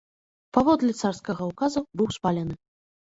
Паводле царскага ўказа быў спалены.